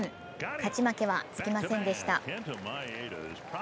勝ち負けはつきませんでした。